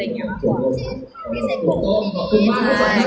กานเหรอ